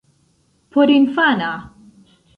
porinfana